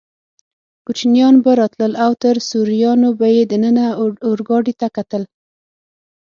کوچنیان به راتلل او تر سوریانو به یې دننه اورګاډي ته کتل.